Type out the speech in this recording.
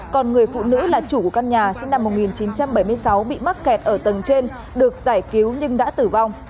còn người phụ nữ là chủ của căn nhà sinh năm một nghìn chín trăm bảy mươi sáu bị mắc kẹt ở tầng trên được giải cứu nhưng đã tử vong